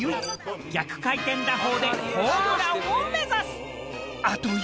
逆回転打法でホームランを目指す。